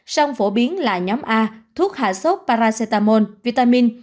song phổ biến là nhóm a thuốc hạ sốt paracetamol vitamin